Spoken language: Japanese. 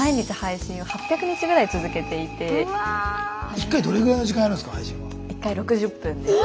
一回どれぐらいの時間やるんですか？